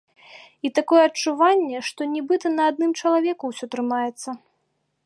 І такое адчуванне, што нібыта на адным чалавеку ўсё трымаецца.